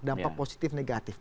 dampak positif negatif